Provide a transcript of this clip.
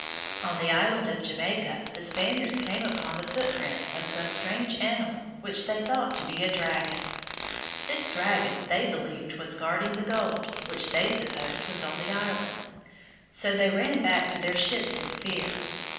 On the island of Jamaica the Spaniards came upon the footprints of some strange animal which they thought to be a dragon. This dragon they believed was guarding the gold which they supposed was on the island. So they ran back to their ships in fear.